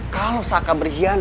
kalau saka berkhianat